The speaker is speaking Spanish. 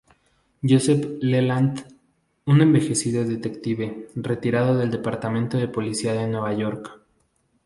Joseph Leland: Un envejecido detective retirado del Departamento de Policía de Nueva York.